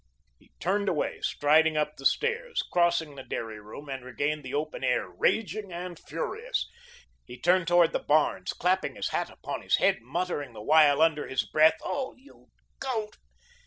He turned away, striding up the stairs, crossing the dairy room, and regained the open air, raging and furious. He turned toward the barns, clapping his hat upon his head, muttering the while under his breath: "Oh, you goat!